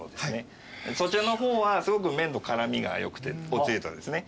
そちらの方はすごく麺の絡みが良くておつゆとですね。